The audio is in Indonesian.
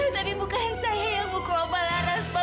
tapi bukan saya yang bukul opah laras pak